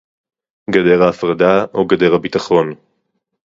גדר ההפרדה או גדר הביטחון